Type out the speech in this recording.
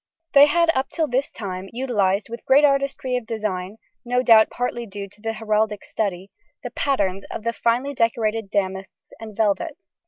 They had up till this time utilised, with great artistry of design (no doubt partly due to the heraldic study), the patterns of the finely decorated damasks and velvets.